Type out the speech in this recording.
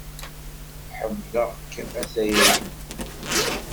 Ḥemmleɣ-k a tayri.